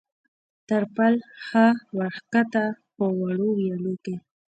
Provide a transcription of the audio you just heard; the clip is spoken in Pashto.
تر پل ښه ور کښته، په وړو ویالو کې.